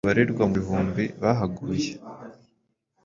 yibasiye ako karere, aho abantu babarirwa mu bihumbi bahaguye